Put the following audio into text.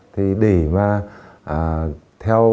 thì để mà theo sát được mọi